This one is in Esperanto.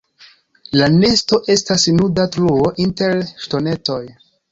La nesto estas nuda truo inter ŝtonetoj.